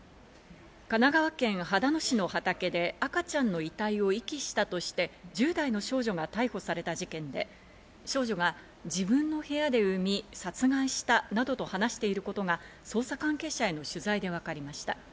神奈川県秦野市の畑で赤ちゃんの遺体を遺棄したとして１０代の少女が逮捕された事件で、少女が自分の部屋で産み、殺害したなどと話していることが捜査関係者への取材でわかりました。